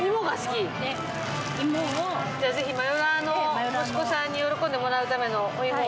ぜひマヨラーの息子さんに喜んでもらうためのおイモを。